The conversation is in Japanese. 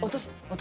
私？